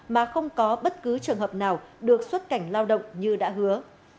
mà không có bất cứ trường hợp nào được xuất cảnh lao động như đã hứa